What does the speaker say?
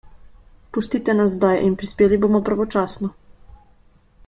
Pustite nas zdaj in prispeli bomo pravočasno.